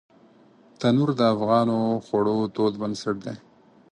تنور د افغانو خوړو تود بنسټ دی